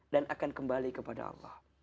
dan akan kembali kepada allah